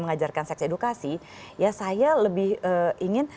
mengajarkan seks edukasi ya saya lebih ingin